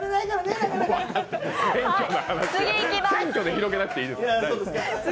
選挙で広げなくていいです。